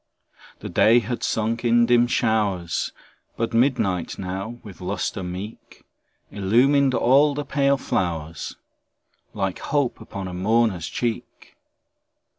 The day had sunk in dim showers, But midnight now, with lustre meet. Illumined all the pale flowers, Like hope upon a mourner's cheek.